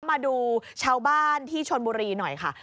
มาดูชาวบ้านที่ชนบุรีหน่อยค่ะ